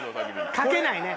書けないね。